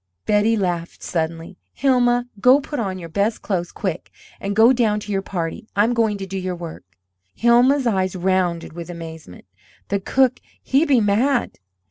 Betty laughed suddenly. "Hilma, go put on your best clothes, quick, and go down to your party. I'm going to do your work." Hilma's eyes rounded with amazement. "The cook, he be mad."